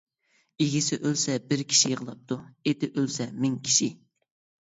ئىگىسى ئۆلسە بىر كىشى يىغلاپتۇ، ئېتى ئۆلسە مىڭ كىشى.